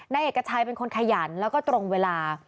นายเอกชัยเป็นคนขยันแล้วก็ตรงเวลา